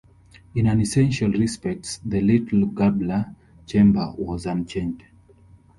In all essential respects the little gable chamber was unchanged.